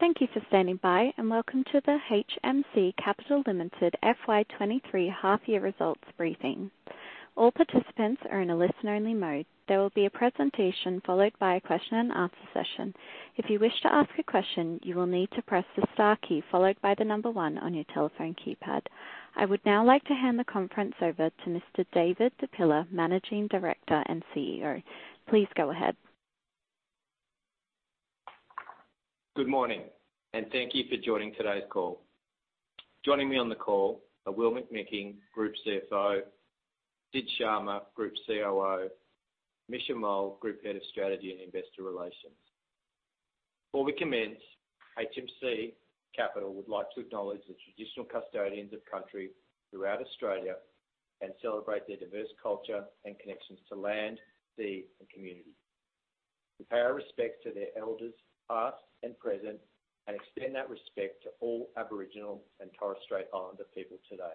Thank you for standing by, and welcome to the HMC Capital Limited FY 23 Half Year results briefing. All participants are in a listen only mode. There will be a presentation followed by a question and answer session. If you wish to ask a question, you will need to press the star key followed by the number one on your telephone keypad. I would now like to hand the conference over to Mr. David Di Pilla, Managing Director and CEO. Please go ahead. Good morning, and thank you for joining today's call. Joining me on the call are Will McMicking, Group CFO, Sid Sharma, Group COO, Misha Mohl, Group Head of Strategy and Investor Relations. Before we commence, HMC Capital would like to acknowledge the traditional custodians of country throughout Australia and celebrate their diverse culture and connections to land, sea, and community. We pay our respects to their elders, past and present, and extend that respect to all Aboriginal and Torres Strait Islander people today.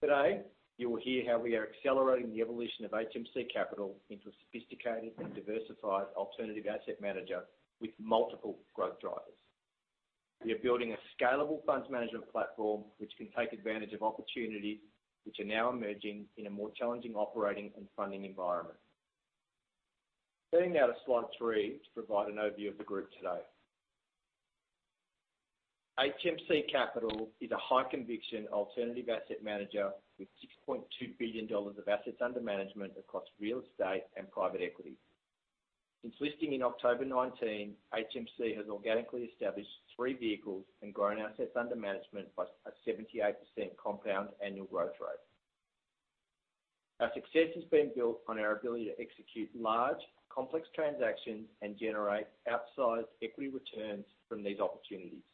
Today, you will hear how we are accelerating the evolution of HMC Capital into a sophisticated and diversified alternative asset manager with multiple growth drivers. We are building a scalable funds management platform which can take advantage of opportunities which are now emerging in a more challenging operating and funding environment. Heading now to slide three to provide an overview of the group today. HMC Capital is a high conviction alternative asset manager with 6.2 billion dollars of assets under management across real estate and private equity. Since listing in October 2019, HMC has organically established three vehicles and grown assets under management by a 78% compound annual growth rate. Our success has been built on our ability to execute large complex transactions and generate outsized equity returns from these opportunities.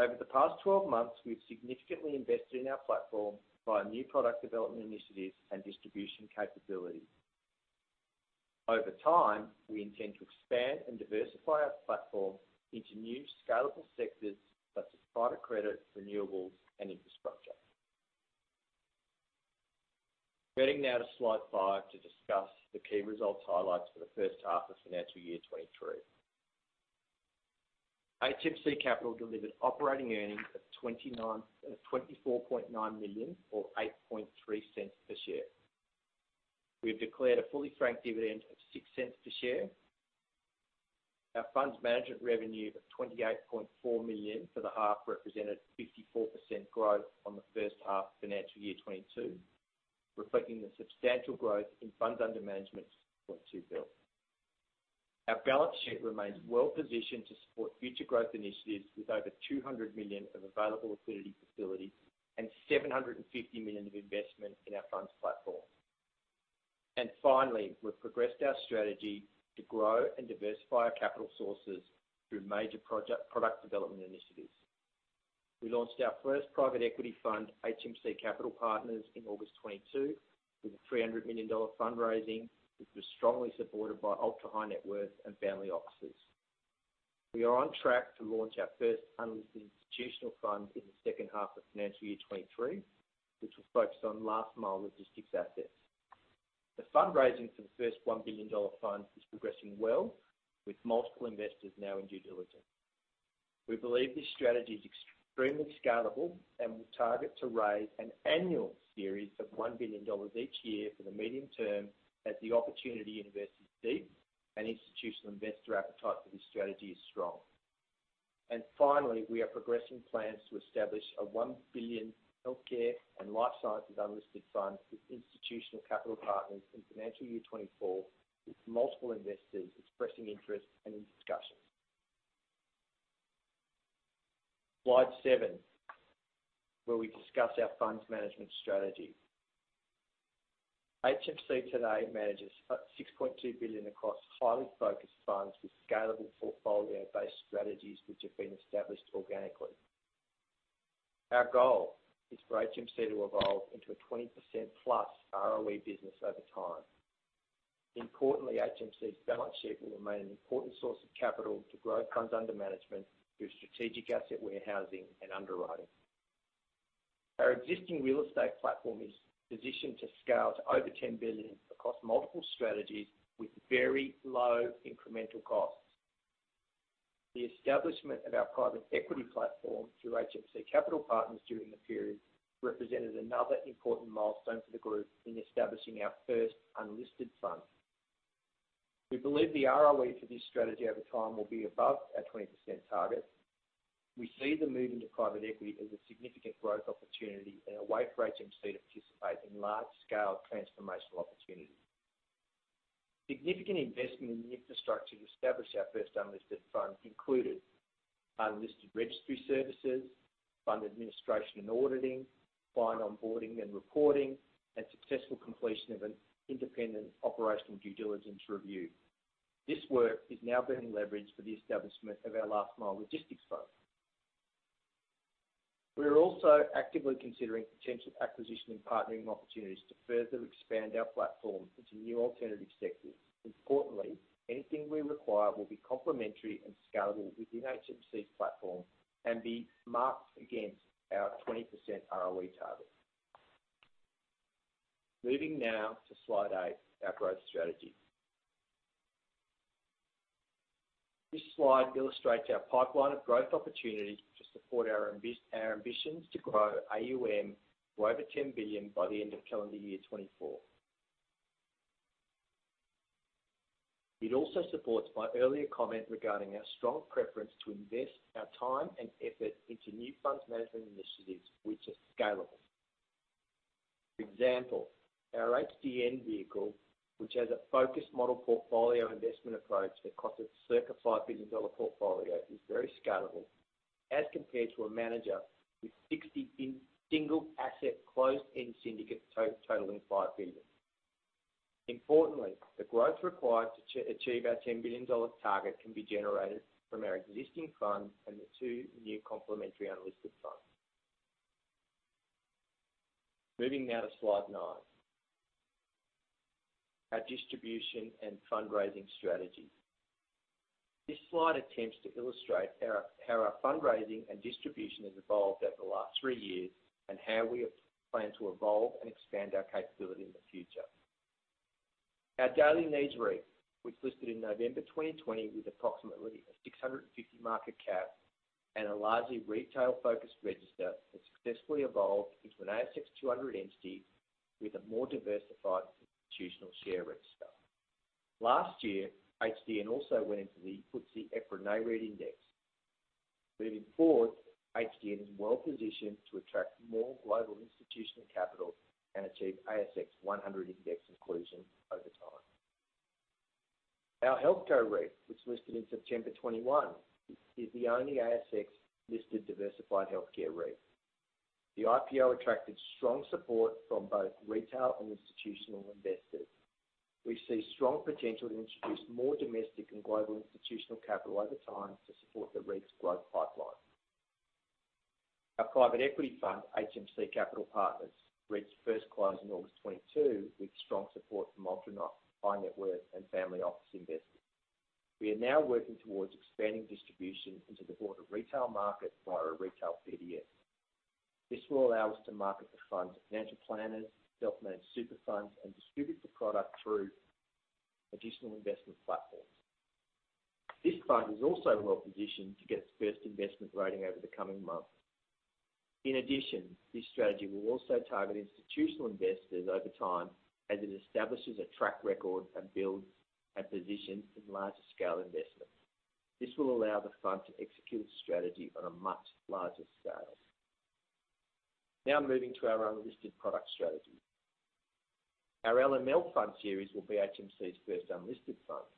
Over the past 12 months, we've significantly invested in our platform via new product development initiatives and distribution capabilities. Over time, we intend to expand and diversify our platform into new scalable sectors such as private credit, renewables and infrastructure. Heading now to slide five to discuss the key results highlights for the first half of financial year 2023. HMC Capital delivered operating earnings of 24.9 million or 0.083 per share. We have declared a fully franked dividend of 0.06 per share. Our funds management revenue of 28.4 million for the half represented 54% growth on the first half financial year 2022, reflecting the substantial growth in funds under management of 2 billion. Our balance sheet remains well positioned to support future growth initiatives with over 200 million of available liquidity facilities and 750 million of investment in our funds platform. Finally, we've progressed our strategy to grow and diversify our capital sources through major project product development initiatives. We launched our first private equity fund, HMC Capital Partners, in August 2022 with 300 million dollar fundraising, which was strongly supported by ultra-high net worth and family offices. We are on track to launch our first unlisted institutional fund in the second half of financial year 2023, which will focus on Last Mile Logistics assets. The fundraising for the first 1 billion dollar fund is progressing well with multiple investors now in due diligence. We believe this strategy is extremely scalable and will target to raise an annual series of 1 billion dollars each year for the medium term as the opportunity in this is deep and institutional investor appetite for this strategy is strong. Finally, we are progressing plans to establish a 1 billion healthcare and life sciences unlisted fund with Institutional Capital Partners in financial year 2024, with multiple investors expressing interest and in discussions. Slide seven, where we discuss our funds management strategy. HMC today manages 6.2 billion across highly focused funds with scalable portfolio-based strategies which have been established organically. Our goal is for HMC to evolve into a 20% plus ROE business over time. Importantly, HMC's balance sheet will remain an important source of capital to grow funds under management through strategic asset warehousing and underwriting. Our existing real estate platform is positioned to scale to over 10 billion across multiple strategies with very low incremental costs. The establishment of our private equity platform through HMC Capital Partners during the period represented another important milestone for the group in establishing our first unlisted fund. We believe the ROE for this strategy over time will be above our 20% target. We see the move into private equity as a significant growth opportunity and a way for HMC to participate in large scale transformational opportunities. Significant investment in the infrastructure to establish our first unlisted fund included unlisted registry services, fund administration and auditing, client onboarding and reporting, and successful completion of an independent operational due diligence review. This work is now being leveraged for the establishment of our last mile logistics fund. We are also actively considering potential acquisition and partnering opportunities to further expand our platform into new alternative sectors. Importantly, anything we require will be complementary and scalable within HMC's platform and be marked against our 20% ROE target. Moving now to slide eight, our growth strategy. This slide illustrates our pipeline of growth opportunities to support our ambitions to grow AUM to over 10 billion by the end of calendar year 2024. It also supports my earlier comment regarding our strong preference to invest our time and effort into new funds management initiatives which are scalable. For example, our HDN vehicle, which has a focused model portfolio investment approach across its circa 5 billion dollar portfolio, is very scalable as compared to a manager with 60 single asset closed-end syndicates totaling 5 billion. Importantly, the growth required to achieve our 10 billion dollar target can be generated from our existing funds and the two new complementary unlisted funds. Moving now to Slide nine. Our distribution and fundraising strategy. This slide attempts to illustrate our how our fundraising and distribution has evolved over the last three years, and how we have planned to evolve and expand our capability in the future. Our Daily Needs REIT, which listed in November 2020 with approximately an 650 market cap and a largely retail-focused register, has successfully evolved into an ASX 200 entity with a more diversified institutional share register. Last year, HDN also went into the FTSE EPRA Nareit Index. Moving forward, HDN is well-positioned to attract more global institutional capital and achieve ASX 100 index inclusion over time. Our healthcare REIT, which listed in September 2021, is the only ASX listed diversified healthcare REIT. The IPO attracted strong support from both retail and institutional investors. We see strong potential to introduce more domestic and global institutional capital over time to support the REIT's growth pipeline. Our private equity fund, HMC Capital Partners, reached first close in August 2022 with strong support from ultra high net worth and family office investors. We are now working towards expanding distribution into the broader retail market via a retail PDS. This will allow us to market the fund to financial planners, self-managed super funds, and distribute the product through additional investment platforms. This fund is also well-positioned to get its first investment rating over the coming months. In addition, this strategy will also target institutional investors over time as it establishes a track record and builds a position in larger scale investments. This will allow the fund to execute its strategy on a much larger scale. Moving to our unlisted product strategy. Our LML fund series will be HMC's first unlisted fund.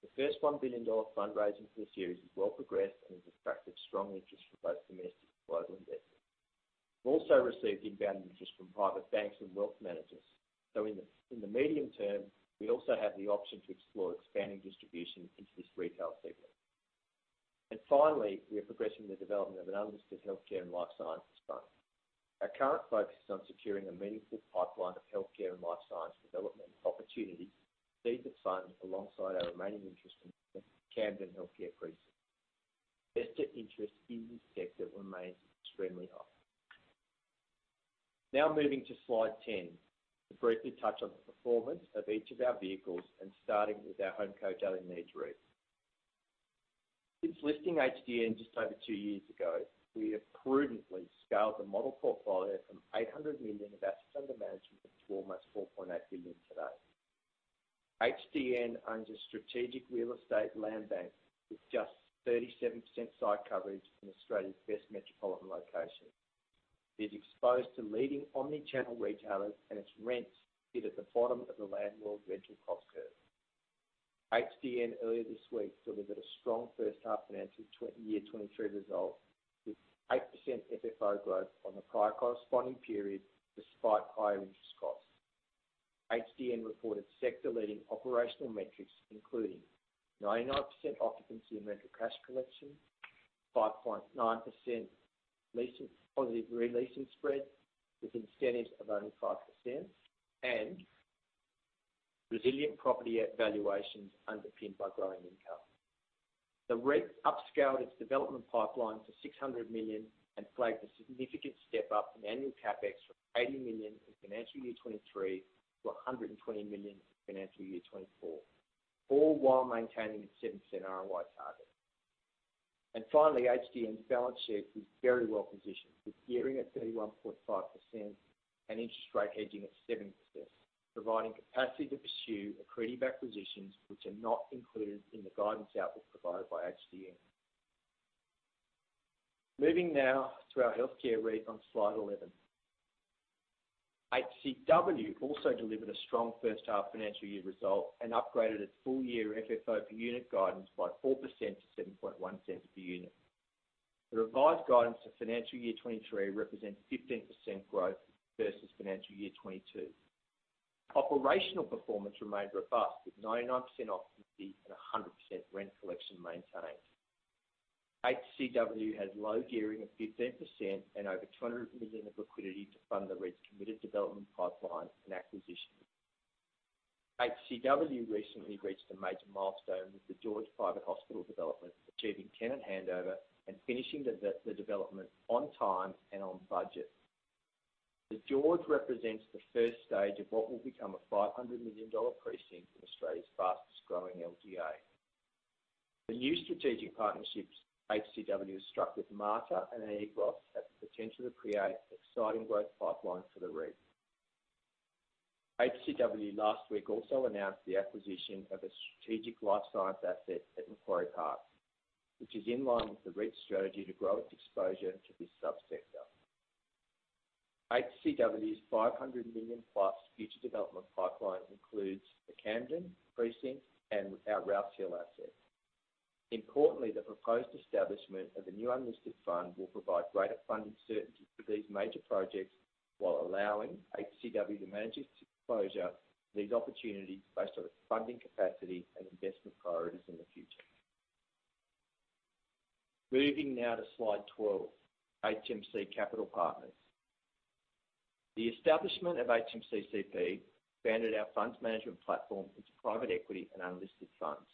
The first 1 billion dollar fundraising for the series is well progressed and has attracted strong interest from both domestic and global investors. We've also received inbound interest from private banks and wealth managers. In the medium term, we also have the option to explore expanding distribution into this retail segment. Finally, we are progressing the development of an unlisted healthcare and life sciences fund. Our current focus is on securing a meaningful pipeline of healthcare and life sciences development opportunities. These are funded alongside our remaining interest in the Camden Healthcare Precinct. Investor interest in this sector remains extremely high. Moving to slide 10, to briefly touch on the performance of each of our vehicles and starting with our HomeCo Daily Needs REIT. Since listing HDN just over two years ago, we have prudently scaled the model portfolio from 800 million of assets under management to almost 4.8 billion today. HDN owns a strategic real estate land bank with just 37% site coverage in Australia's best metropolitan location. It is exposed to leading omni-channel retailers, and its rents sit at the bottom of the landlord rental cost curve. HDN earlier this week delivered a strong first half financial year 2023 result with 8% FFO growth on the prior corresponding period, despite higher interest costs. HDN reported sector-leading operational metrics, including 99% occupancy and rental cash collection, 5.9% leasing, positive re-leasing spread with incentives of only 5%, and resilient property valuations underpinned by growing income. The REIT upscaled its development pipeline to 600 million and flagged a significant step-up in annual CapEx from 80 million in financial year 2023 to 120 million in financial year 2024, all while maintaining its 0.07 ROI target. Finally, HDN's balance sheet was very well positioned, with gearing at 31.5% and interest rate hedging at 7%, providing capacity to pursue accretive acquisitions which are not included in the guidance outlook provided by HDN. Moving now to our healthcare REIT on slide 11. HCW also delivered a strong first half financial year result and upgraded its full year FFO per unit guidance by 4% to 0.071 per unit. The revised guidance for financial year 2023 represents 15% growth versus financial year 2022. Operational performance remained robust, with 99% occupancy and 100% rent collection maintained. HCW has low gearing of 15% and over 200 million of liquidity to fund the REIT's committed development pipeline and acquisitions. HCW recently reached a major milestone with The George Centre development, achieving tenant handover and finishing the development on time and on budget. The George represents the first stage of what will become a 500 million dollar precinct in Australia's fastest growing LGA. The new strategic partnerships HCW has struck with Marta and E. Gross have the potential to create exciting work pipelines for the REIT. HCW last week also announced the acquisition of a strategic life science asset at Macquarie Park, which is in line with the REIT's strategy to grow its exposure to this sub-sector. HCW's $500 million-plus future development pipeline includes the Camden Precinct and our Rouse Hill asset. Importantly, the proposed establishment of a new unlisted fund will provide greater funding certainty for these major projects, while allowing HCW to manage its exposure to these opportunities based on its funding capacity and investment priorities in the future. Moving now to Slide 12, HMC Capital Partners. The establishment of HMCCP expanded our funds management platform into private equity and unlisted funds.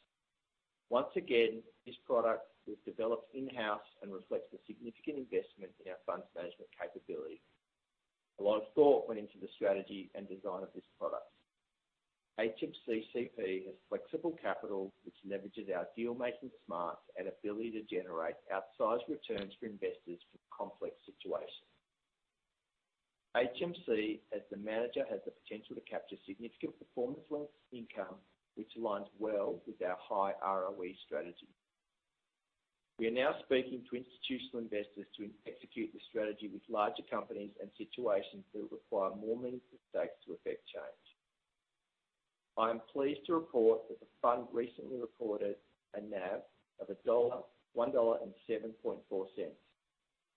Once again, this product was developed in-house and reflects the significant investment in our funds management capability. A lot of thought went into the strategy and design of this product. HMCCP has flexible capital, which leverages our deal-making smarts and ability to generate outsized returns for investors from complex situations. HMC, as the manager, has the potential to capture significant performance-linked income, which aligns well with our high ROE strategy. We are now speaking to institutional investors to execute the strategy with larger companies and situations that require more meaningful stakes to effect change. I am pleased to report that the fund recently reported a NAV of 1.074 dollar,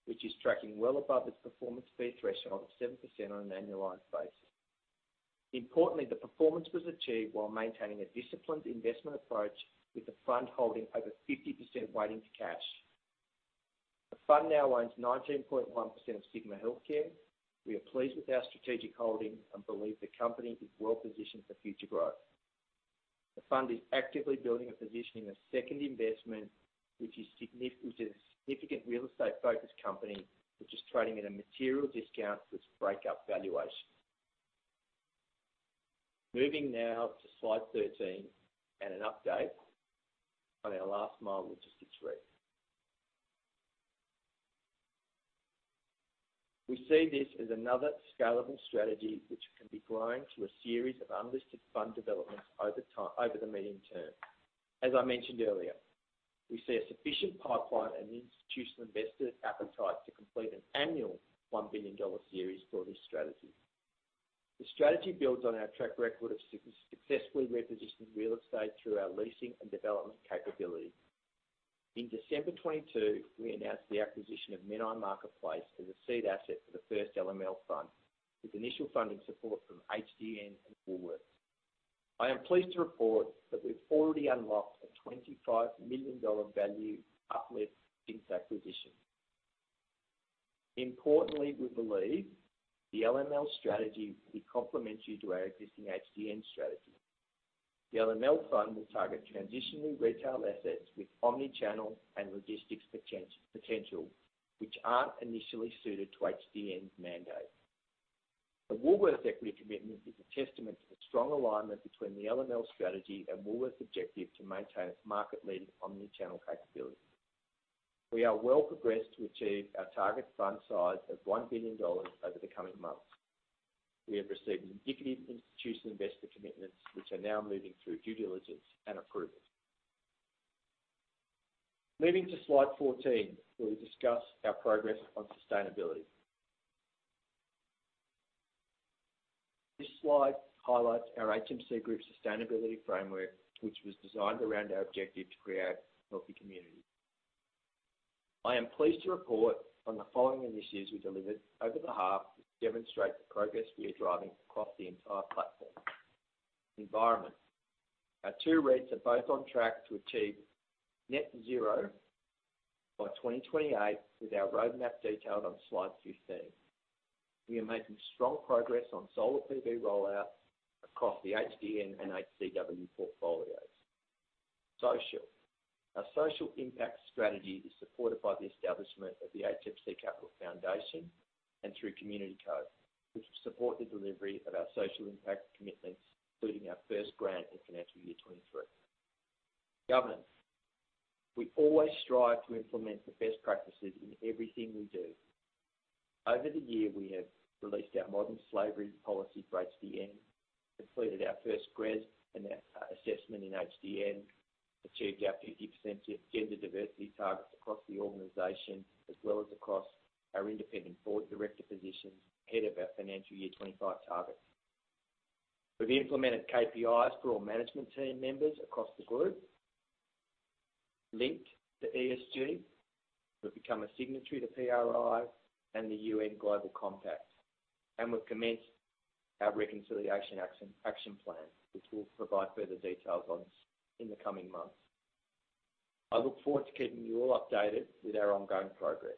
which is tracking well above its performance fee threshold of 7% on an annualized basis. Importantly, the performance was achieved while maintaining a disciplined investment approach with the fund holding over 50% weighting to cash. The fund now owns 19.1% of Sigma Healthcare. We are pleased with our strategic holding and believe the company is well positioned for future growth. The fund is actively building a position in a second investment, which is a significant real estate-focused company, which is trading at a material discount to its break-up valuation. Moving now to Slide 13 and an update on our Last Mile Logistics REIT. We see this as another scalable strategy which can be grown through a series of unlisted fund developments over time, over the medium term. As I mentioned earlier, we see a sufficient pipeline and institutional investor appetite to complete an annual 1 billion dollar series for this strategy. The strategy builds on our track record of successfully repositioning real estate through our leasing and development capability. In December 2022, we announced the acquisition of Menai Marketplace as a seed asset for the first LML fund, with initial funding support from HDN and Woolworths. I am pleased to report that we've already unlocked a 25 million dollar value uplift since acquisition. Importantly, we believe the LML strategy will be complementary to our existing HDN strategy. The LML fund will target transitionary retail assets with omni-channel and logistics potential, which aren't initially suited to HDN's mandate. The Woolworths equity commitment is a testament to the strong alignment between the LML strategy and Woolworths' objective to maintain its market-leading omni-channel capability. We are well progressed to achieve our target fund size of 1 billion dollars over the coming months. We have received indicative institutional investor commitments, which are now moving through due diligence and approval. Moving to Slide 14, where we discuss our progress on sustainability. This slide highlights our HMC Capital sustainability framework, which was designed around our objective to create healthy communities. I am pleased to report on the following initiatives we delivered over the half, which demonstrate the progress we are driving across the entire platform. Environment. Our two REITs are both on track to achieve net zero by 2028, with our roadmap detailed on Slide 15. We are making strong progress on solar PV rollout across the HDN and HCW portfolios. Social. Our social impact strategy is supported by the establishment of the HMC Capital Foundation and through CommunityCo, which will support the delivery of our social impact commitments, including our first grant in financial year 23. Governance. We always strive to implement the best practices in everything we do. Over the year, we have released our Modern Slavery policy for HDN, completed our first GRESB assessment in HDN, achieved our 50% gender diversity targets across the organization, as well as across our independent board director positions ahead of our financial year 25 targets. We've implemented KPIs for all management team members across the group linked to ESG. We've become a signatory to PRI and the UN Global Compact, and we've commenced our Reconciliation Action Plan, which we'll provide further details in the coming months. I look forward to keeping you all updated with our ongoing progress.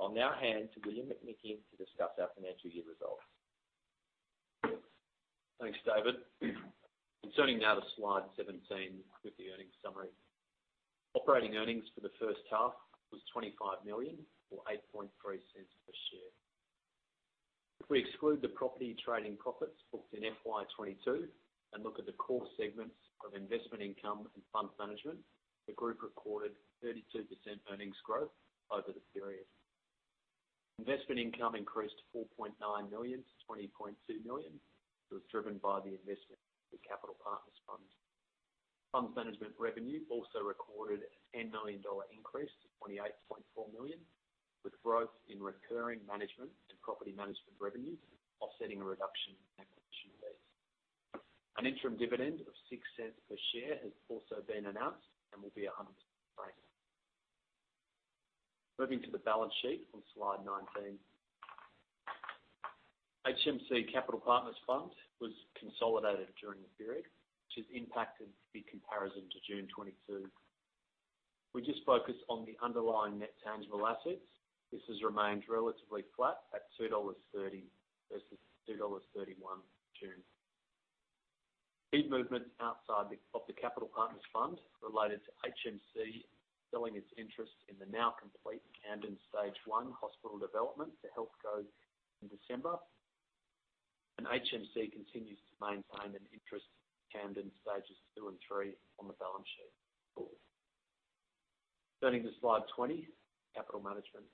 I'll now hand to Will McMicking to discuss our financial year results. Thanks, David. Turning now to Slide 17 with the earnings summary. Operating earnings for the first half was 25 million or 0.083 per share. If we exclude the property trading profits booked in FY22 and look at the core segments of investment income and fund management, the group recorded 32% earnings growth over the period. Investment income increased to 4.9 million to 20.2 million, was driven by the investment in Capital Partners Fund. Funds Management revenue also recorded a 10 million dollar increase to 28.4 million, with growth in recurring management and property management revenues offsetting a reduction in acquisition fees. An interim dividend of 0.06 per share has also been announced. Moving to the balance sheet on Slide 19. HMC Capital Partners Fund was consolidated during the period, which has impacted the comparison to June 2022. We just focus on the underlying net tangible assets. This has remained relatively flat at 2.30 dollars versus AUD 2.31 in June. Key movements outside of the Capital Partners Fund related to HMC selling its interest in the now complete Camden Stage One hospital development to Healthscope in December. HMC continues to maintain an interest in Camden Stages Two and Three on the balance sheet. Turning to Slide 20, capital management.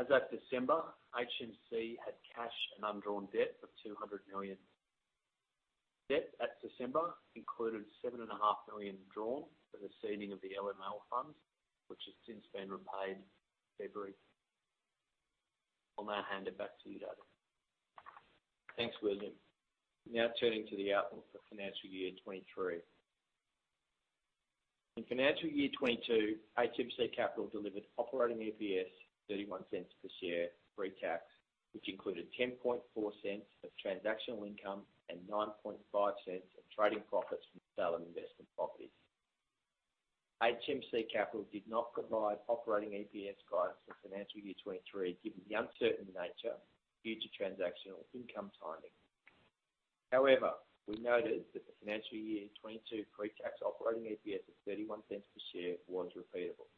As at December, HMC had cash and undrawn debt of 200 million. Debt at December included seven and a half million drawn for the seeding of the LML funds, which has since been repaid in February. I'll now hand it back to you, David. Thanks, William. Turning to the outlook for financial year 2023. In financial year 2022, HMC Capital delivered operating EPS 0.31 per share pre-tax, which included 0.104 of transactional income and 0.095 of trading profits from the sale of investment properties. HMC Capital did not provide operating EPS guidance for financial year 2023, given the uncertain nature of future transactional income timing. However, we noted that the financial year 2022 pre-tax operating EPS of 0.31 per share was repeatable.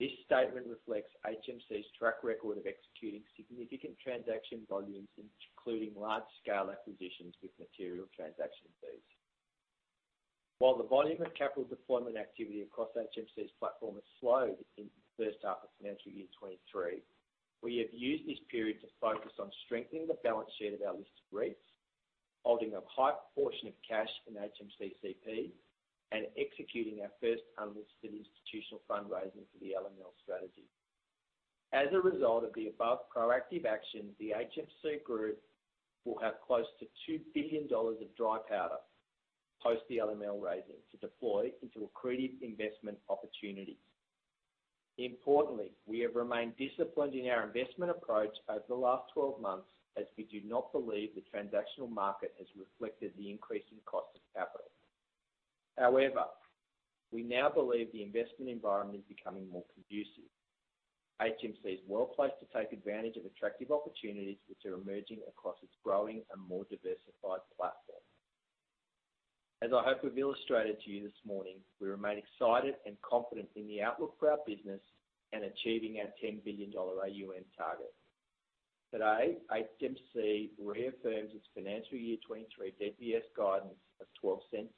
This statement reflects HMC's track record of executing significant transaction volumes, including large-scale acquisitions with material transaction fees. While the volume of capital deployment activity across HMC's platform has slowed in the first half of financial year 2023, we have used this period to focus on strengthening the balance sheet of our listed REITs, holding a high proportion of cash in HMCCP, and executing our first unlisted institutional fundraising for the LML strategy. As a result of the above proactive actions, the HMC group will have close to 2 billion dollars of dry powder post the LML raising to deploy into accretive investment opportunities. Importantly, we have remained disciplined in our investment approach over the last 12 months, as we do not believe the transactional market has reflected the increasing cost of capital. However, we now believe the investment environment is becoming more conducive. HMC is well-placed to take advantage of attractive opportunities which are emerging across its growing and more diversified platform. As I hope we've illustrated to you this morning, we remain excited and confident in the outlook for our business and achieving our AUD 10 billion AUM target. Today, HMC reaffirms its financial year 23 DPS guidance of 0.12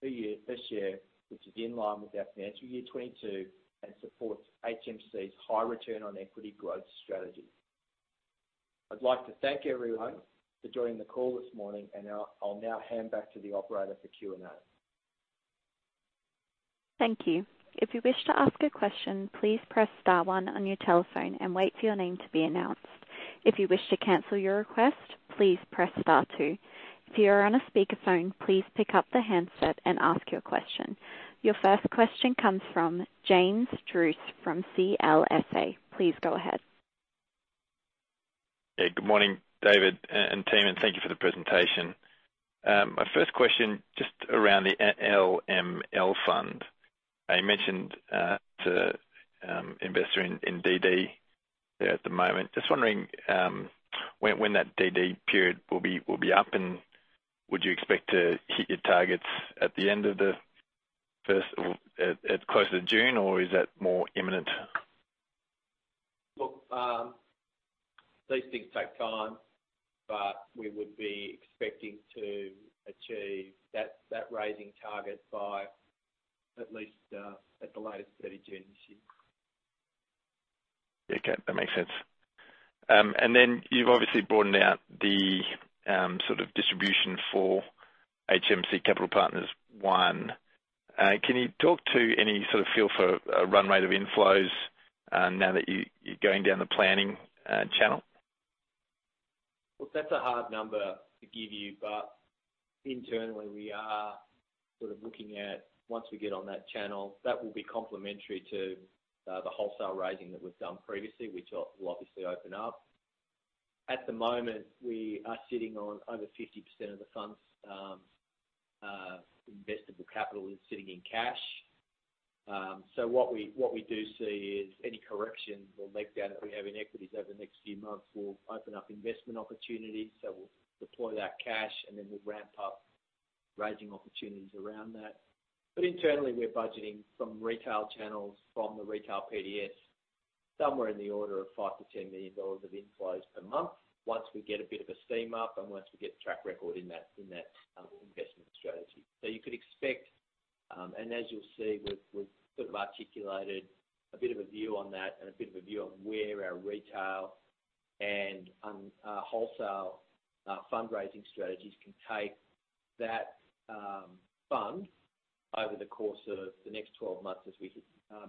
per year, per share, which is in line with our financial year 22 and supports HMC's high return on equity growth strategy. I'd like to thank everyone for joining the call this morning, and now I'll hand back to the operator for Q&A. Thank you. If you wish to ask a question, please press star one on your telephone and wait for your name to be announced. If you wish to cancel your request, please press star two. If you are on a speakerphone, please pick up the handset and ask your question. Your first question comes from James Druce from CLSA. Please go ahead. Yeah, good morning, David and team, and thank you for the presentation. My first question, just around the LML fund. You mentioned to investor in DD there at the moment. Just wondering when that DD period will be up, and would you expect to hit your targets at the end of the first or at closer to June, or is that more imminent? Look, these things take time, but we would be expecting to achieve that raising target by at least, at the latest, 30 June this year. Yeah, okay. That makes sense. You've obviously broadened out the sort of distribution for HMC Capital Partners Fund I. Can you talk to any sort of feel for run rate of inflows, now that you're going down the planning channel? Look, that's a hard number to give you, but internally we are sort of looking at once we get on that channel, that will be complementary to the wholesale raising that we've done previously, which will obviously open up. At the moment, we are sitting on over 50% of the funds. Investable capital is sitting in cash. What we do see is any correction or leg down that we have in equities over the next few months will open up investment opportunities. We'll deploy that cash and then we'll ramp up raising opportunities around that. Internally, we're budgeting from retail channels, from the retail PDS, somewhere in the order of 5 million-10 million dollars of inflows per month. Once we get a bit of a steam up and once we get track record in that investment strategy. You could expect, and as you'll see, we've sort of articulated a bit of a view on that and a bit of a view on where our retail and wholesale fundraising strategies can take that fund over the course of the next 12 months as we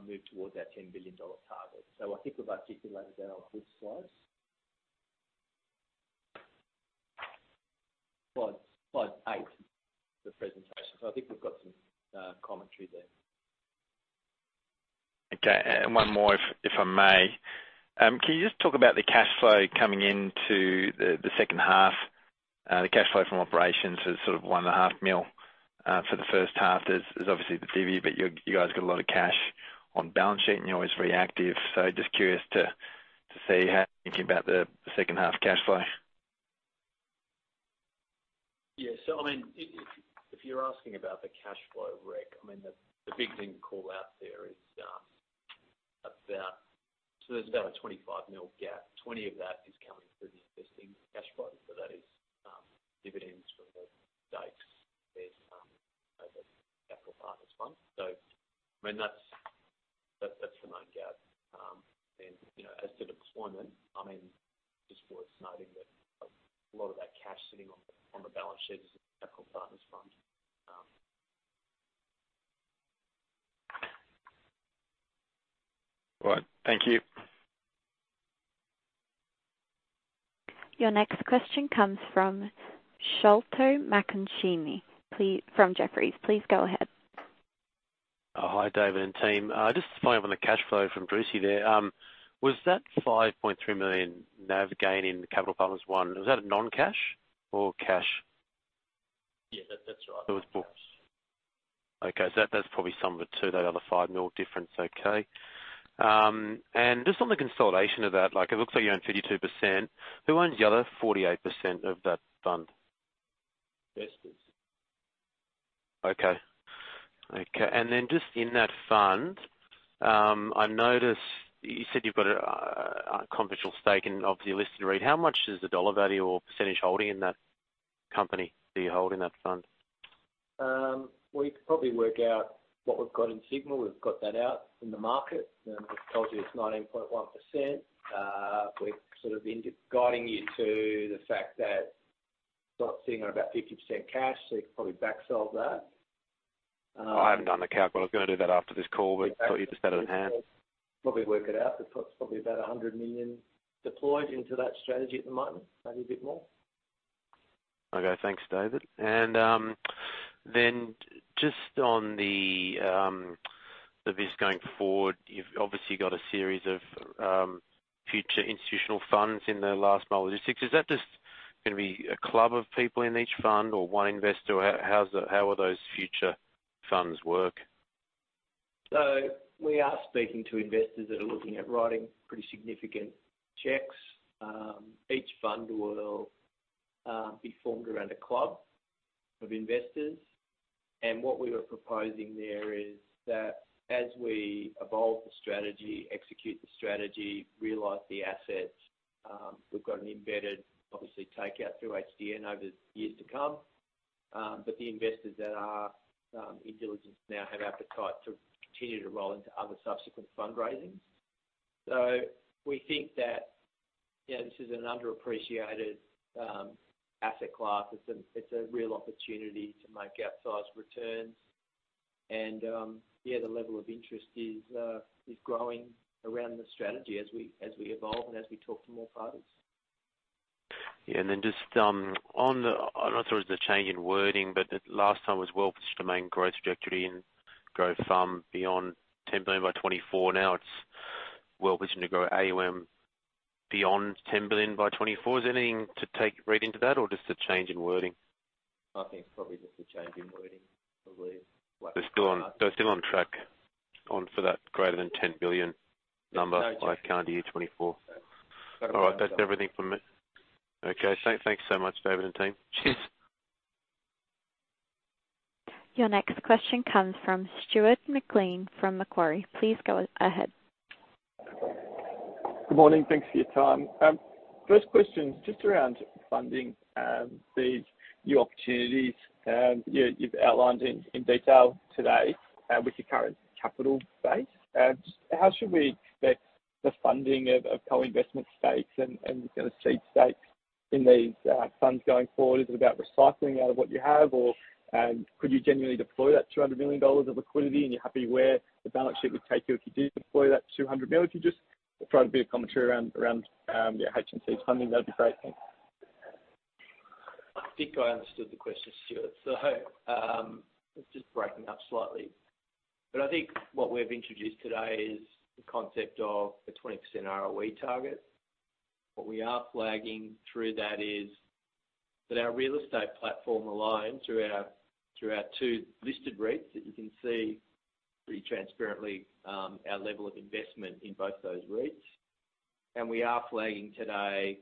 move towards that 10 billion dollar target. I think we've articulated that on this slide. Slide eight of the presentation. I think we've got some commentary there. Okay, one more if I may. Can you just talk about the cash flow coming into the second half? The cash flow from operations is sort of one and a half mil for the first half. There's obviously the divvy, but you guys got a lot of cash on balance sheet, and you're always very active. Just curious to see how you're thinking about the second half cash flow. I mean, if you're asking about the cash flow, Rick, I mean, the big thing to call out there is. There's about an 25 million gap. 20 of that is coming through the existing cash flow. That is, dividends from the stakes based over Capital Partners Fund. I mean, that's the main gap. You know, as to deployment, I mean, just worth noting that a lot of that cash sitting on the balance sheet is the Capital Partners Fund. All right. Thank you. Your next question comes from Sholto Maconochie, from Jefferies. Please go ahead. Hi, David and team. Just following up on the cash flow from Brucy there. Was that 5.3 million NAV gain in Capital Partners One, was that a non-cash or cash? Yeah, that's right. Okay. that's probably sum of the two, that other 5 million difference. Okay. just on the consolidation of that, like it looks like you own 52%. Who owns the other 48% of that fund? Investors. Okay. Okay. Just in that fund, I notice you said you've got a confidential stake in obviously listed REIT. How much is the dollar value or percentage holding in that company that you hold in that fund? We could probably work out what we've got in Sigma. We've got that out in the market. It tells you it's 19.1%. We've sort of been guiding you to the fact that we're sitting on about 50% cash, you can probably back solve that. I haven't done the calc, but I was gonna do that after this call. I thought you just had it on hand. Probably work it out. It's probably about 100 million deployed into that strategy at the moment, maybe a bit more. Okay, thanks, David. Then just on the biz going forward, you've obviously got a series of future institutional funds in the Last Mile Logistics. Is that just gonna be a club of people in each fund or one investor? How will those future funds work? We are speaking to investors that are looking at writing pretty significant checks. Each fund will be formed around a club of investors. What we were proposing there is that as we evolve the strategy, execute the strategy, realize the assets, we've got an embedded obviously take out through HDN over years to come. The investors that are in diligence now have appetite to continue to roll into other subsequent fundraisings. We think that, you know, this is an underappreciated asset class. It's a real opportunity to make outsized returns. Yeah, the level of interest is growing around the strategy as we evolve and as we talk to more parties. Yeah. Just on the I'm not sure it's a change in wording, but the last time it was well-positioned to remain growth trajectory and grow some beyond 10 billion by 2024. Now it's well-positioned to grow AUM beyond 10 billion by 2024. Is there anything to take read into that or just a change in wording? I think it's probably just a change in wording, I believe. They're still on track for that greater than 10 billion number. No doubt. by calendar year 2024. All right. That's everything for me. Okay. Thanks so much, David and team. Cheers. Your next question comes from Stuart McLean from Macquarie. Please go ahead. Good morning. Thanks for your time. First question, just around funding, these new opportunities, you've outlined in detail today, with your current capital base. How should we expect the funding of co-investment stakes and seed stakes in these funds going forward? Is it about recycling out of what you have or, could you genuinely deploy that 200 million dollars of liquidity and you're happy where the balance sheet would take you if you did deploy that 200 million? If you just provide a bit of commentary around, yeah, HMC's funding, that'd be great. Thanks. I think I understood the question, Stuart. It's just breaking up slightly. I think what we've introduced today is the concept of a 20% ROE target. What we are flagging through that is that our real estate platform alone, through our, through our two listed REITs, that you can see pretty transparently, our level of investment in both those REITs. We are flagging today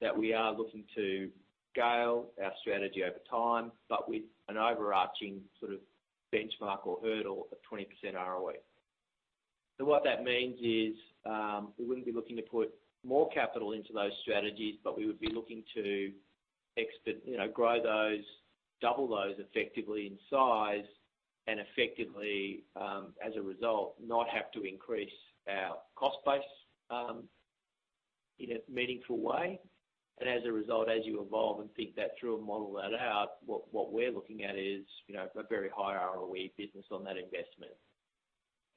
that we are looking to scale our strategy over time, but with an overarching sort of benchmark or hurdle of 20% ROE. What that means is, we wouldn't be looking to put more capital into those strategies, but we would be looking to you know, grow those, double those effectively in size and effectively, as a result, not have to increase our cost base, in a meaningful way. As a result, as you evolve and think that through and model that out, what we're looking at is, you know, a very high ROE business on that investment.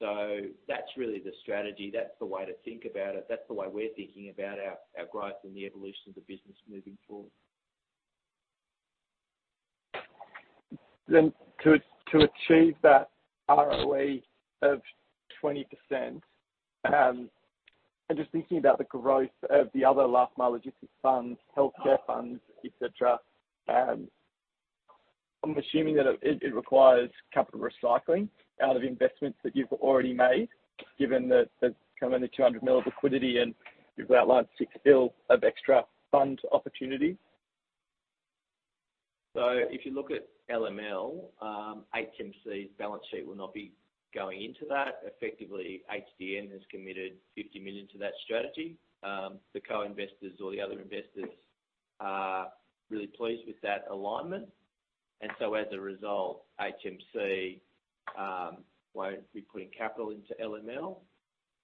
That's really the strategy. That's the way to think about it. That's the way we're thinking about our growth and the evolution of the business moving forward. To achieve that ROE of 20%, I'm just thinking about the growth of the other last mile logistics funds, healthcare funds, et cetera. I'm assuming that it requires capital recycling out of investments that you've already made, given that there's currently 200 million of liquidity and you've outlined 6 billion of extra fund opportunities. If you look at LML, HMC's balance sheet will not be going into that. Effectively, HDN has committed 50 million to that strategy. The co-investors or the other investors are really pleased with that alignment. As a result, HMC won't be putting capital into LML.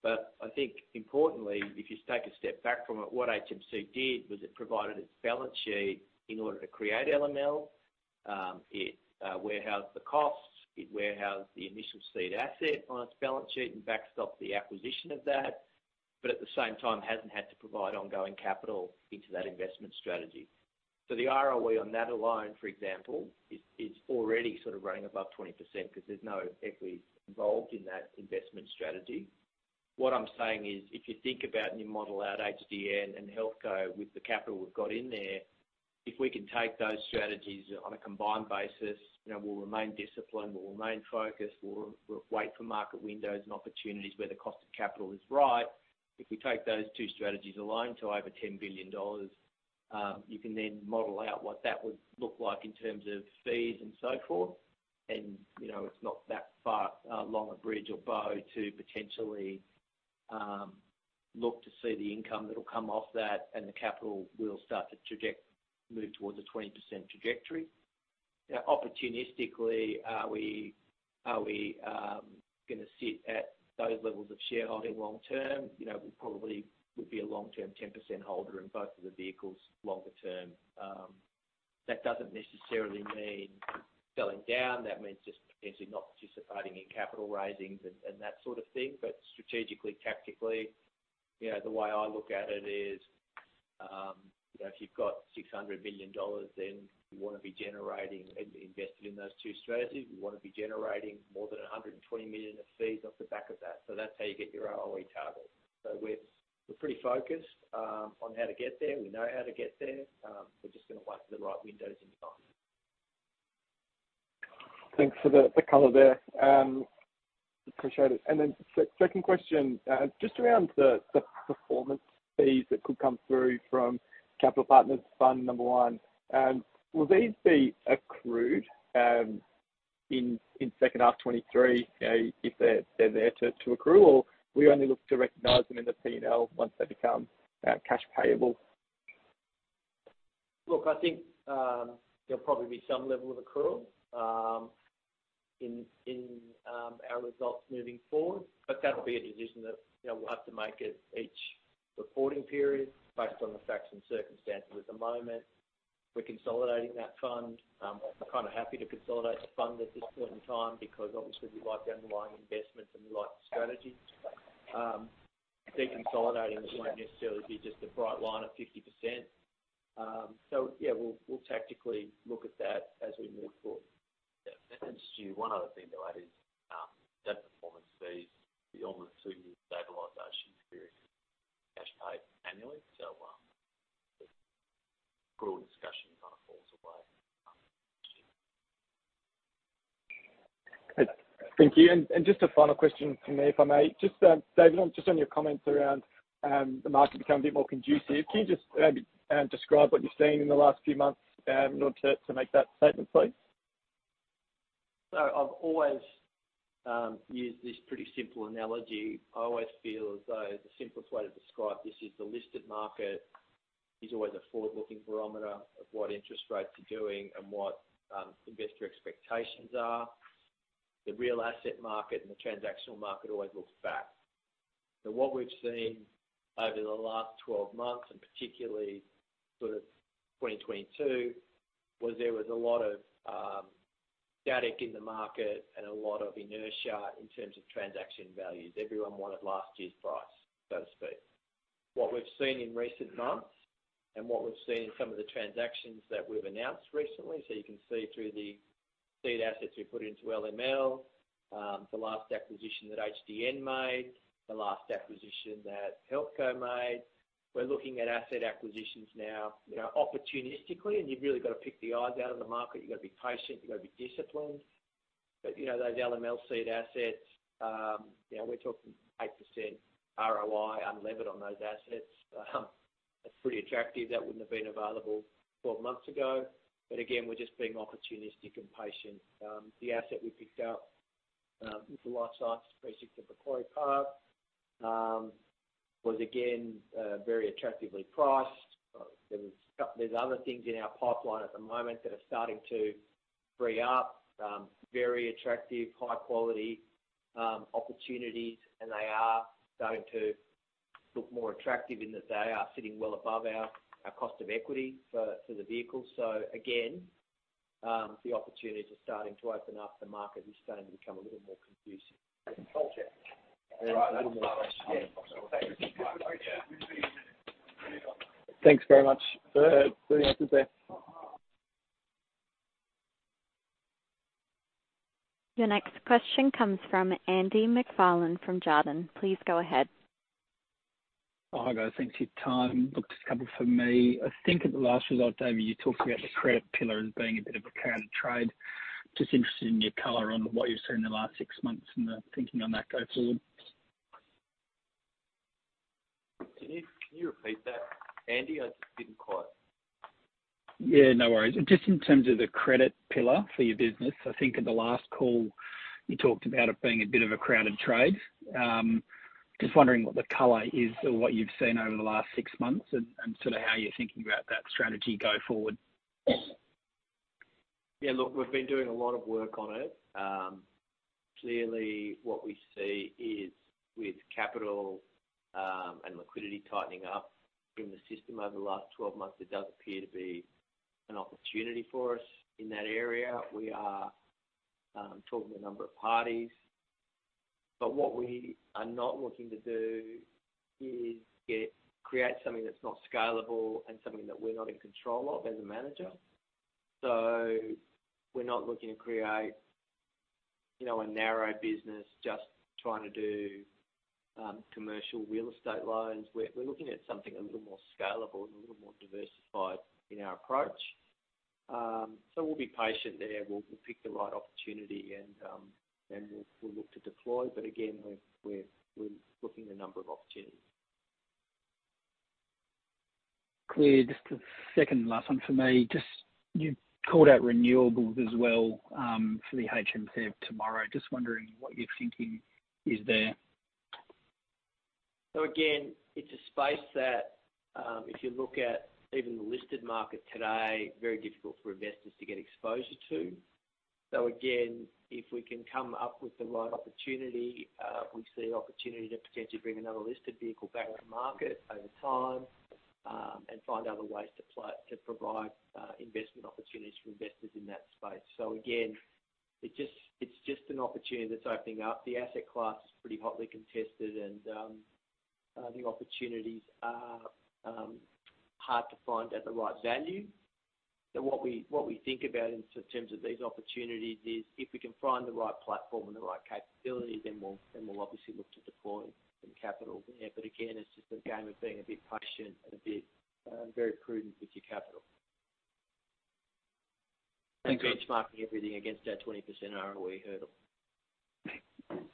I think importantly, if you take a step back from it, what HMC did was it provided its balance sheet in order to create LML. It warehoused the costs, it warehoused the initial seed asset on its balance sheet and backstopped the acquisition of that, but at the same time hasn't had to provide ongoing capital into that investment strategy. The ROE on that alone, for example, is already sort of running above 20% because there's no equity involved in that investment strategy. What I'm saying is, if you think about and you model out HDN and HealthCo with the capital we've got in there, if we can take those strategies on a combined basis, you know, we'll remain disciplined, we'll remain focused, we'll wait for market windows and opportunities where the cost of capital is right. If we take those two strategies alone to over 10 billion dollars, you can then model out what that would look like in terms of fees and so forth. You know, it's not that far along a bridge or bow to potentially look to see the income that'll come off that and the capital will start to move towards a 20% trajectory. Opportunistically, are we gonna sit at those levels of shareholding long term? You know, we probably would be a long-term 10% holder in both of the vehicles longer term. That doesn't necessarily mean selling down. That means just potentially not participating in capital risings and that sort of thing. Strategically, tactically, you know, the way I look at it is, you know, if you've got 600 million dollars, you wanna be generating and invested in those two strategies. You wanna be generating more than 120 million of fees off the back of that. That's how you get your ROE target. We're, we're pretty focused on how to get there. We know how to get there. We're just gonna wait for the right windows and time. Thanks for the color there. Appreciate it. Then second question, just around the performance fees that could come through from Capital Partners Fund I, will these be accrued in second half 2023, you know, if they're there to accrue or we only look to recognize them in the P&L once they become cash payable? I think there'll probably be some level of accrual in our results moving forward, but that'll be a decision that, you know, we'll have to make at each reporting period based on the facts and circumstances. At the moment, we're consolidating that fund. We're kind of happy to consolidate the fund at this point in time because obviously we like the underlying investments and we like the strategy. Deconsolidating won't necessarily be just a bright line at 50%. Yeah, we'll tactically look at that as we move forward. Yeah. Then Stu, one other thing to add is, that performance fee beyond the 2-year stabilization period is paid annually. The accrual discussion kind of falls away. Great. Thank you. Just a final question from me, if I may. Just David, on your comments around the market becoming a bit more conducive, can you just describe what you've seen in the last few months in order to make that statement, please? I've always used this pretty simple analogy. I always feel as though the simplest way to describe this is the listed market is always a forward-looking barometer of what interest rates are doing and what investor expectations are. The real asset market and the transactional market always looks back. What we've seen over the last 12 months, and particularly sort of 2022, was there was a lot of static in the market and a lot of inertia in terms of transaction values. Everyone wanted last year's price, so to speak. What we've seen in recent months and what we've seen in some of the transactions that we've announced recently, so you can see through the seed assets we put into LML, the last acquisition that HDN made, the last acquisition that HealthCo made. We're looking at asset acquisitions now, you know, opportunistically, and you've really got to pick the odds out of the market. You've got to be patient, you've got to be disciplined. You know, those LML seed assets, you know, we're talking 8% ROI unlevered on those assets. That's pretty attractive. That wouldn't have been available 12 months ago. Again, we're just being opportunistic and patient. The asset we picked up with The Life Sites precinct at Macquarie Park was again very attractively priced. There's other things in our pipeline at the moment that are starting to free up, very attractive, high-quality opportunities, and they are starting to look more attractive in that they are sitting well above our cost of equity for the vehicle. Again, the opportunities are starting to open up. The market is starting to become a little more conducive. Gotcha. A little more rational. Thank you. Thanks very much for the answers there. Your next question comes from Andrew MacFarlane from Jarden. Please go ahead. Hi, guys. Thanks for your time. Look, just a couple from me. I think at the last result, David, you talked about the credit pillar as being a bit of a counter-trade. Just interested in your color on what you've seen in the last six months and the thinking on that going forward. Can you repeat that, Andy? I just didn't quite. Yeah, no worries. Just in terms of the credit pillar for your business, I think in the last call, you talked about it being a bit of a crowded trade. Just wondering what the color is or what you've seen over the last six months and sort of how you're thinking about that strategy go forward. Yeah, look, we've been doing a lot of work on it. Clearly what we see is with capital, and liquidity tightening up in the system over the last 12 months, it does appear to be an opportunity for us in that area. We are talking to a number of parties. What we are not looking to do is create something that's not scalable and something that we're not in control of as a manager. We're not looking to create, you know, a narrow business just trying to do commercial real estate loans. We're looking at something a little more scalable and a little more diversified in our approach. So we'll be patient there. We'll pick the right opportunity and we'll look to deploy. Again, we're looking at a number of opportunities. Clear. Just a second last one for me. Just, you called out renewables as well, for the HMCF tomorrow. Just wondering what your thinking is there. Again, it's a space that, if you look at even the listed market today, very difficult for investors to get exposure to. Again, if we can come up with the right opportunity, we see opportunity to potentially bring another listed vehicle back to market over time, and find other ways to provide investment opportunities for investors in that space. Again, it's just an opportunity that's opening up. The asset class is pretty hotly contested and the opportunities are hard to find at the right value. What we think about in terms of these opportunities is if we can find the right platform and the right capability, then we'll obviously look to deploy some capital there. Again, it's just a game of being a bit patient and a bit very prudent with your capital. Thanks, David. Benchmarking everything against our 20% ROE hurdle. Thanks.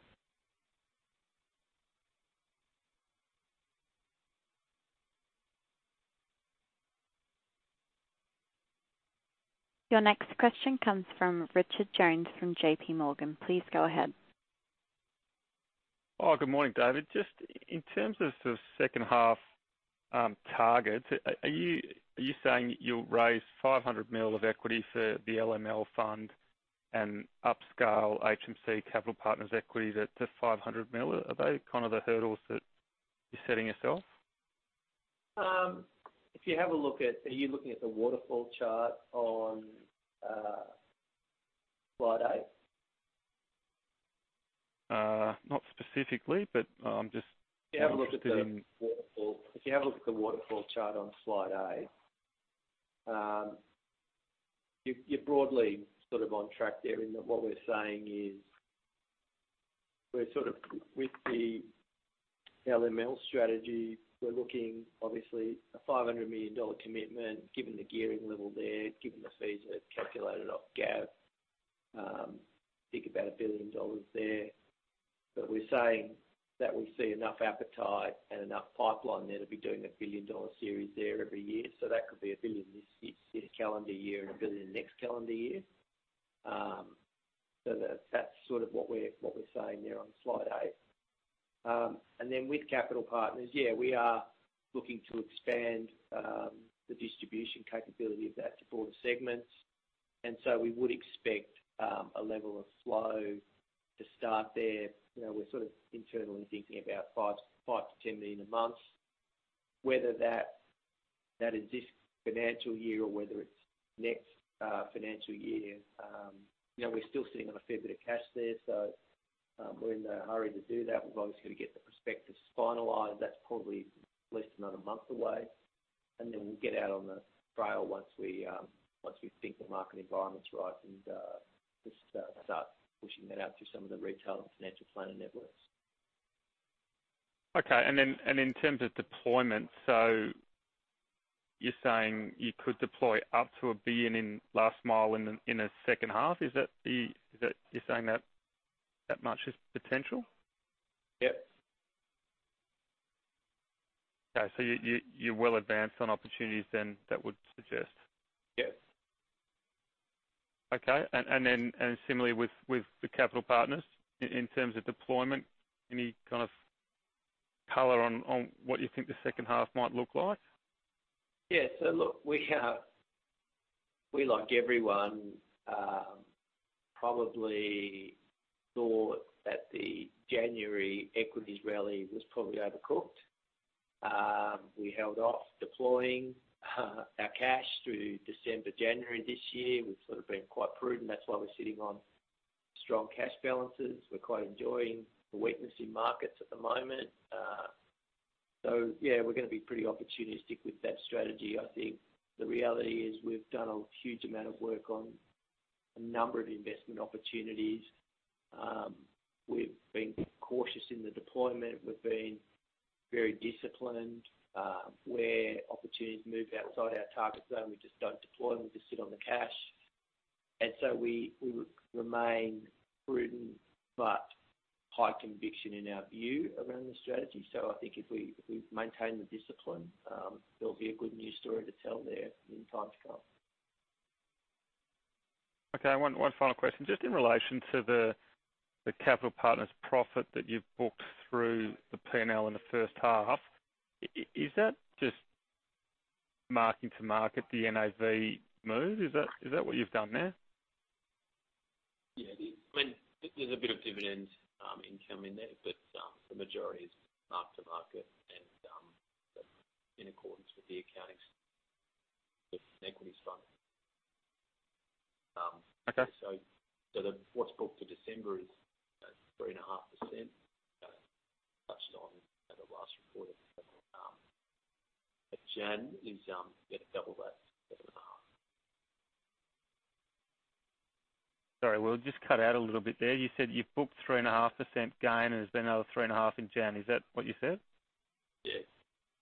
Your next question comes from Richard Jones from JPMorgan. Please go ahead. Good morning, David. Just in terms of the second half, targets, are you saying you'll raise 500 mil of equity for the LML fund and upscale HMC Capital Partners equity to 500 mil? Are they kind of the hurdles that you're setting yourself? Are you looking at the waterfall chart on slide eight? Not specifically, but, just interested. If you have a look at the waterfall, if you have a look at the waterfall chart on slide A, you're broadly sort of on track there in that what we're saying is with the LML strategy, we're looking obviously an 500 million dollar commitment, given the gearing level there, given the fees that are calculated off gap, think about 1 billion dollars there. We're saying that we see enough appetite and enough pipeline there to be doing an 1 billion-dollar series there every year. That could be 1 billion this calendar year and 1 billion next calendar year. So that's sort of what we're saying there on slide eight. Then with Capital Partners, yeah, we are looking to expand the distribution capability of that to broader segments. We would expect a level of flow to start there. You know, we're sort of internally thinking about 5 million-10 million a month. Whether that is this financial year or whether it's next financial year, you know, we're still sitting on a fair bit of cash there, we're in no hurry to do that. We've obviously got to get the prospectus finalized. That's probably less than a month away. We'll get out on the trail once we think the market environment's right, and just start pushing that out through some of the retail and financial planning networks. Okay. In terms of deployment, you're saying you could deploy up to 1 billion in last mile in the second half? Is that you're saying that much is potential? Yes. Okay. You're well advanced on opportunities then that would suggest. Yes. Okay. Then, similarly with the capital partners in terms of deployment, any kind of color on what you think the second half might look like? Yeah. Look, we, like everyone, probably thought that the January equities rally was probably overcooked. We held off deploying our cash through December, January this year. We've sort of been quite prudent. That's why we're sitting on strong cash balances. We're quite enjoying the weakness in markets at the moment. Yeah, we're gonna be pretty opportunistic with that strategy, I think. The reality is we've done a huge amount of work on a number of investment opportunities. We've been cautious in the deployment. We've been very disciplined. Where opportunities move outside our target zone, we just don't deploy them, we just sit on the cash. We remain prudent but high conviction in our view around the strategy. I think if we maintain the discipline, there'll be a good new story to tell there in times to come. Okay. One final question. Just in relation to the capital partners profit that you've booked through the P&L in the first half, is that just marking to market the NAV move? Is that what you've done there? Yeah. I mean, there's a bit of dividend income in there, but the majority is mark to market and in accordance with the accounting with equities fund. Okay. What's booked for December is, you know, 3.5%. Kind of touched on at the last report. Jan is, you know, double that, 7.5%. Sorry, we're just cut out a little bit there. You said you've booked 3.5% gain, and there's been another 3.5 in January. Is that what you said? Yes.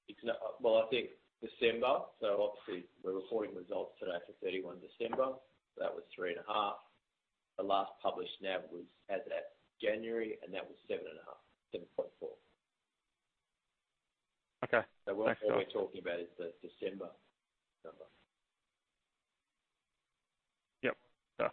It's Well, I think December, obviously we're reporting results today for 31 December. That was three and a half. The last published NAV was as at January. That was seven and a half, 7.4. Okay. Thanks. What we're talking about is the December number. Yep. Got it.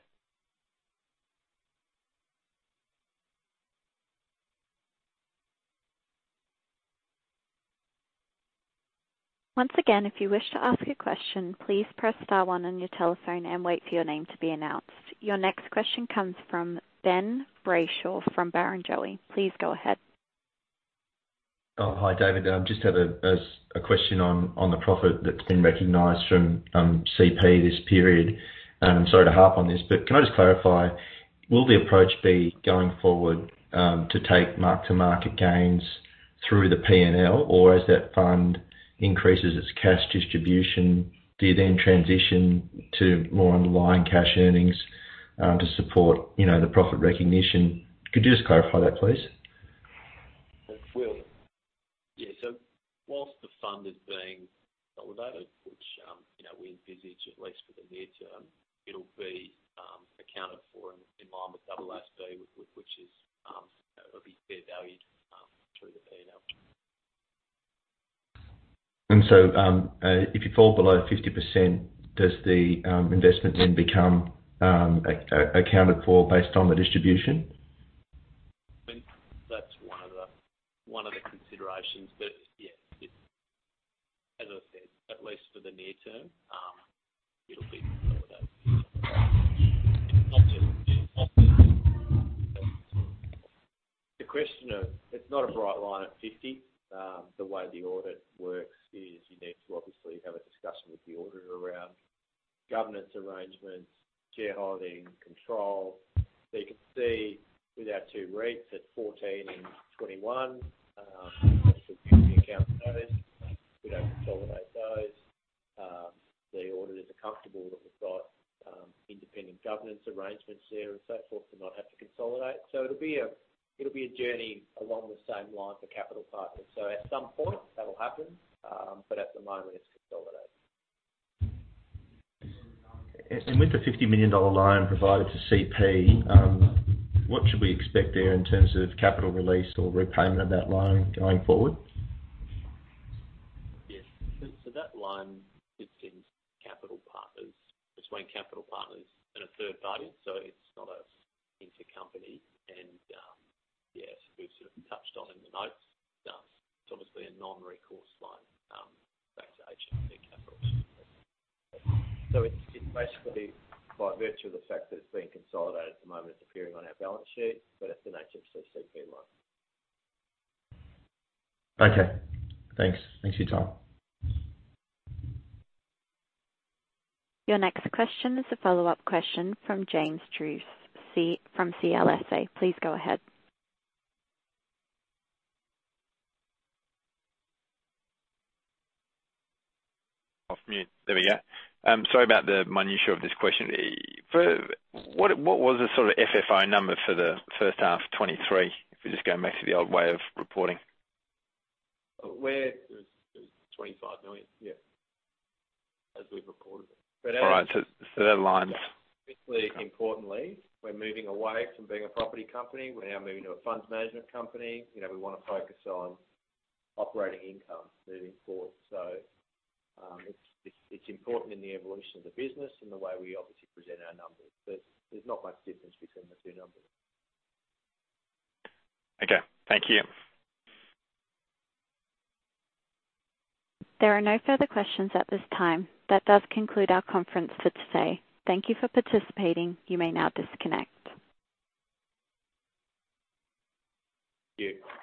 Once again, if you wish to ask a question, please press star one on your telephone and wait for your name to be announced. Your next question comes from Ben Brayshaw from Barrenjoey. Please go ahead. Hi, David. I just have a question on the profit that's been recognized from CP this period. Sorry to harp on this, but can I just clarify, will the approach be going forward to take mark-to-market gains through the P&L, or as that fund increases its cash distribution, do you then transition to more underlying cash earnings to support, you know, the profit recognition? Could you just clarify that, please? Yeah. Whilst the fund is being consolidated, which, you know, we envisage at least for the near term, it'll be accounted for in line with AASB, which is, it'll be fair valued through the P&L. If you fall below 50%, does the investment then become accounted for based on the distribution? I mean, that's one of the considerations. Yeah, it's, as I said, at least for the near term, it'll be consolidated. The question of it's not a bright line at 50. The way the audit works is you need to obviously have a discussion with the auditor around governance arrangements, shareholding control. You can see with our two REITs at 14 and 21, we don't consolidate those. The auditors are comfortable that we've got independent governance arrangements there and so forth to not have to consolidate. It'll be a journey along the same line for Capital Partners. At some point that'll happen, but at the moment it's consolidated. With the 50 million dollar loan provided to CP, what should we expect there in terms of capital release or repayment of that loan going forward? Yes. So that loan sits in Capital Partners, between Capital Partners and a third party. It's not a intercompany and, yeah. We've sort of touched on in the notes. It's obviously a non-recourse loan back to HMC Capital. It's basically by virtue of the fact that it's being consolidated at the moment, it's appearing on our balance sheet, but it's an HMCCP loan. Okay. Thanks. Thanks for your time. Your next question is a follow-up question from James Druce from CLSA. Please go ahead. Off mute. There we go. Sorry about the minutiae of this question. What was the sort of FFO number for the first half 2023, if we just go back to the old way of reporting? It was 25 million. Yeah. As we've reported it. All right. That aligns. Importantly, we're moving away from being a property company. We're now moving to a funds management company. You know, we wanna focus on operating income moving forward. It's important in the evolution of the business and the way we obviously present our numbers. There's not much difference between the two numbers. Okay. Thank you. There are no further questions at this time. That does conclude our conference for today. Thank you for participating. You may now disconnect. Thank you.